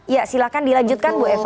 ya silahkan dilanjutkan bu eva